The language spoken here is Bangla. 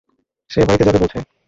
সে বাড়িতে যাবে বলছে।